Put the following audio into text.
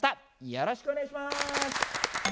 よろしくお願いします。